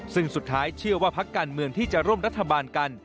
ซึ่งสุดท้ายเชื่อว่าพักการเมืองที่จะร่วมรัฐบาลกัน